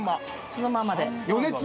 そのままで？